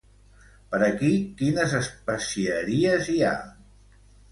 Per aquí quines especieries hi ha?